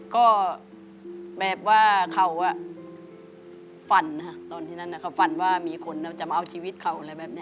ก็แบบว่าเขาฝันฝันว่ามีคนจะมาเอาชีวิตเขาอะไรแบบนี้